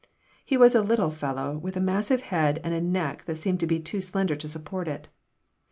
He was a little fellow with a massive head and a neck that seemed to be too slender to support it.